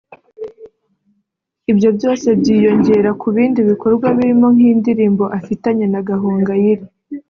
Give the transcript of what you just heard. Ibyo byose byiyongera ku bindi bikorwa birimo nk’indirimbo afitanye na Gahongayire